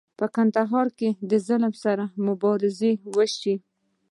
په کندهار کې د ظلم سره مبارزې شوي.